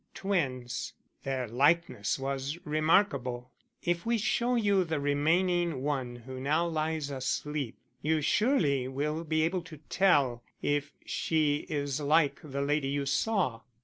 Twins. Their likeness was remarkable. If we show you the remaining one who now lies asleep, you surely will be able to tell if she is like the lady you saw."